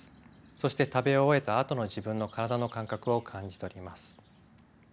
そして食べ終えたあとの自分の体の感覚を感じ取ります。